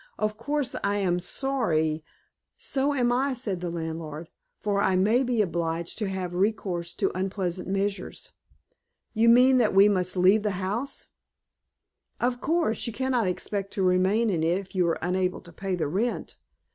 Of course I am sorry " "So am I," said the landlord, "for I may be obliged to have recourse to unpleasant measures." "You mean that we must leave the house!" "Of course, you cannot expect to remain in it if you are unable to pay the rent.